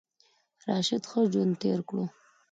راشه ښه ژوند تیر کړو .